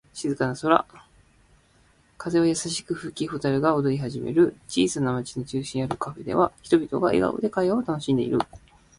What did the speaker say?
夏の夜、星が瞬く静かな空。風は優しく吹き、蛍が踊り始める。小さな町の中心にあるカフェでは、人々が笑顔で会話を楽しんでいる。